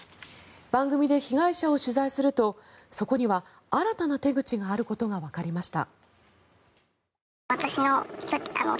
番組で被害者を取材するとそこには新たな手口があることがわかりました。